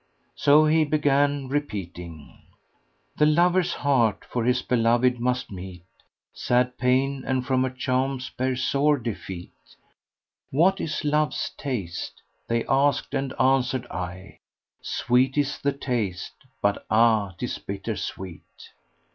So he began repeating, "The lover's heart for his beloved must meet * Sad pain, and from her charms bear sore defeat: What is Love's taste? They asked and answered I, * Sweet is the aste but ah! 'tis bitter sweet."